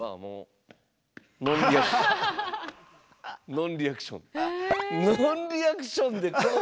ノンリアクション。